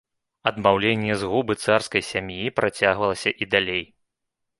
Адмаўленне згубы царскай сям'і працягвалася і далей.